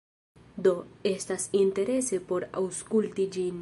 Do, estas interese por aŭskulti ĝin